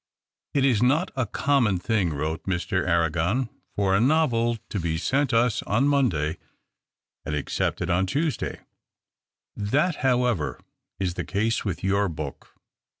" It is not a common thing," wrote Mr. Arragon, "for a novel to be sent us on Monday, and accepted on Tuesday. That, however, is the case with your book.